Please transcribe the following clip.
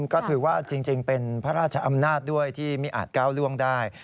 ก็ถือว่าจริงเป็นพระราชอำนาจด้วยที่ไม่อาจก้าวล่วงได้